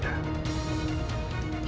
tenanglah ibu nda